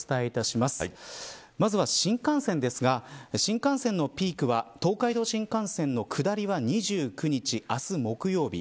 まずは、新幹線ですが新幹線のピークは東海道新幹線の下りは２９日明日、木曜日。